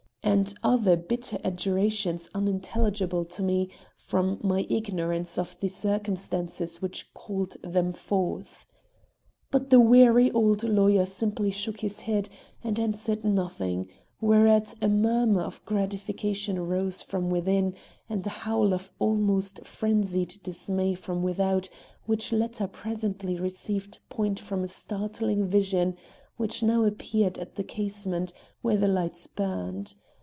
and other bitter adjurations unintelligible to me from my ignorance of the circumstances which called them forth. But the wary old lawyer simply shook his head and answered nothing; whereat a murmur of gratification rose from within, and a howl of almost frenzied dismay from without, which latter presently received point from a startling vision which now appeared at the casement where the lights burned.